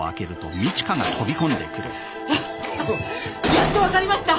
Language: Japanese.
・やっと分かりました！